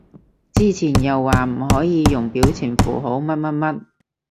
之前又話唔可以用表情符號乜乜乜